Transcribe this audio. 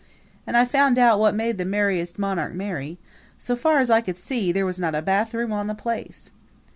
And I found out what made the Merriest Monarch merry so far as I could see, there was not a bathroom on the place.